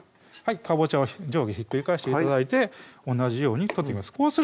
かぼちゃは上下ひっくり返して頂いて同じように取っていきます